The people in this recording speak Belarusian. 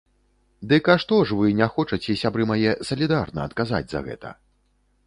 Дык а што ж вы не хочаце, сябры мае, салідарна адказаць за гэта?